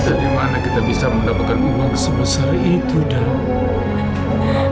dari mana kita bisa mendapatkan uang sebesar itu dalam